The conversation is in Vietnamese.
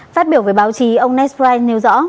phát biểu về báo chí ông nesprice nêu rõ